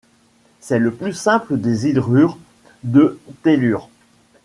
C'est le plus simple des hydrures de tellure.